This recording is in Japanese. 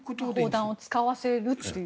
砲弾を使わせると。